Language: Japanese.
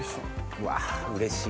うわうれしい。